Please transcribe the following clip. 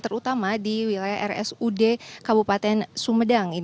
terutama di wilayah rsud kabupaten sumedang